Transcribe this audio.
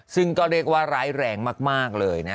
ซึ่งก็เรียกว่าร้ายแรงมากเลยนะ